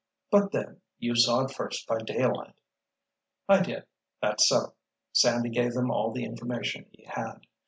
"But, then, you saw it first by daylight." "I did, that's so." Sandy gave them all the information he had.